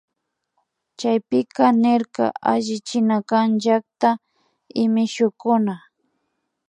Chaypika nirka allichinakan llakta y mishukuna